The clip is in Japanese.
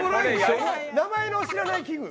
名前の知らない器具。